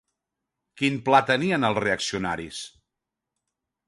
Quin pla tenien els reaccionaris?